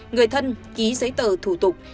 người thân ký giấy tờ thủ tục